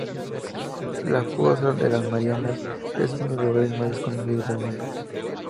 La fosa de las Marianas es uno de los lugares más desconocidos del mundo.